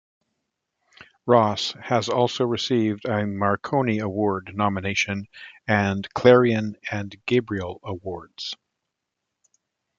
Ross has also received a Marconi Award nomination and Clarion and Gabriel Awards.